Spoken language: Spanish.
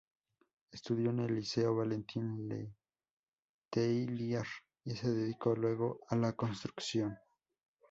Estudió en el Liceo Valentín Letelier, y se dedicó luego a la construcción.